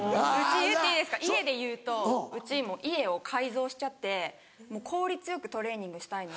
言っていいですか家でいうとうちもう家を改造しちゃって効率よくトレーニングしたいので。